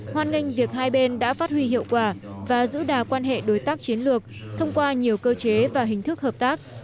hoan nghênh việc hai bên đã phát huy hiệu quả và giữ đà quan hệ đối tác chiến lược thông qua nhiều cơ chế và hình thức hợp tác